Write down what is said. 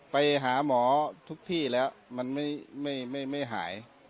ไปหาหมอทุกที่แล้วมันไม่หาย